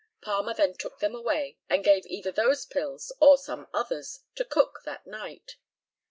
Palmer then took them away, and gave either those pills or some others to Cook that night.